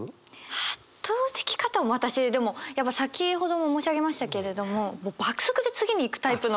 圧倒的片思い私でもやっぱ先ほども申し上げましたけれどももう爆速で次にいくタイプの。